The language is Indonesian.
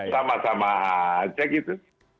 sama sama saja gitu